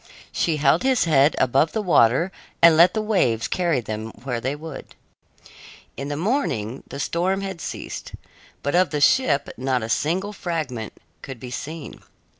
She held his head above the water and let the waves carry them where they would. In the morning the storm had ceased, but of the ship not a single fragment could be seen.